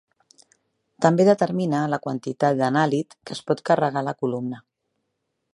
També determina la quantitat d'anàlit que es pot carregar a la columna.